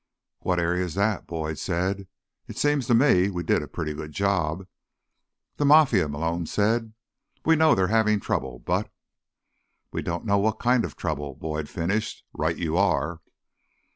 "What area is that?" Boyd said. "It seems to me we did a pretty good job—" "The Mafia," Malone said. "We know they're having trouble, but—" "But we don't know what kind of trouble," Boyd finished. "Right you are."